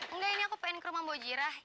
enggak ini aku pengen ke rumah mbo jirah